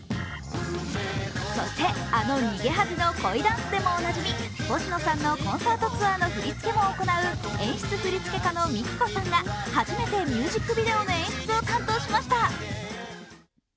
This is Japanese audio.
そして、あの「逃げ恥」の恋ダンスでもおなじみ、星野さんのコンサートツアーの振り付けも行う演出振付家のＭＩＫＩＫＯさんが初めてミュージックビデオの演出を担当しました。